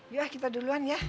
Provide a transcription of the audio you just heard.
yuk kita duluan ya